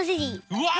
うわ！